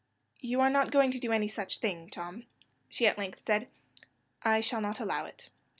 "You are not going to do any such thing, Tom," she at length said; "I shall not allow it."